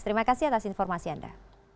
terima kasih atas informasi anda